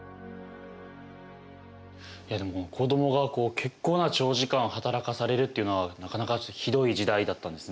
いやでも子どもが結構な長時間働かされるっていうのはなかなかちょっとひどい時代だったんですね。